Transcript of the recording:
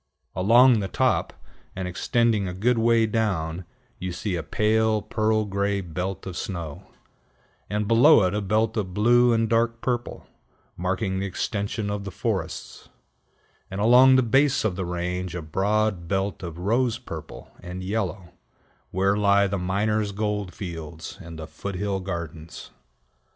Along the top, and extending a good way down, you see a pale, pearl gray belt of snow; and below it a belt of blue and dark purple, marking the extension of the forests; and along the base of the range a broad belt of rose purple and yellow, where lie the minor's gold fields and the foot hill gardens.